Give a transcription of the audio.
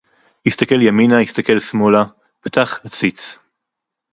הסתכל ימינה, הסתכל שמאלה, פתח, הציץ